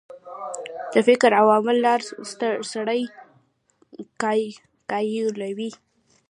د فکر او عمل لار سړی قایلوي.